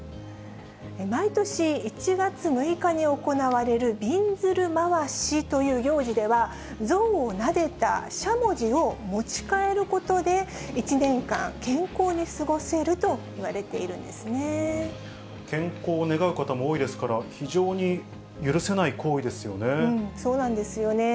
毎年１月６日に行われるびんずる廻しという行事では、像をなでたしゃもじを持ち帰ることで、１年間、健康に過ごせると健康を願う方も多いですから、そうなんですよね。